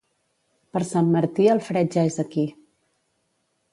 Per Sant Martí el fred ja és aquí.